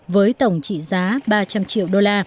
với tổng trị giá ba trăm linh triệu usd